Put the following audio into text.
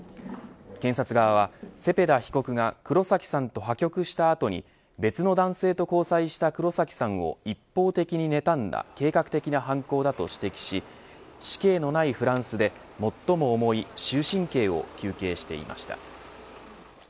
検察側はセペダ被告が黒崎さんと破局したあとに別の男性と交際した黒崎さんを一方的にねたんだ計画的な犯行だと指摘し死刑のないフランスで最も重い終身刑を求刑していました。